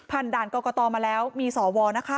ด่านกรกตมาแล้วมีสวนะคะ